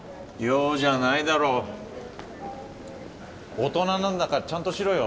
大人なんだからちゃんとしろよ。